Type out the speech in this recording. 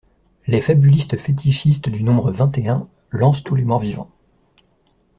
Les fabulistes fétichistes du nombre "vingt et un" lancent tous les morts-vivants.